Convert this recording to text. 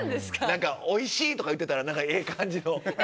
おいしい！とか言ってたらええ感じの。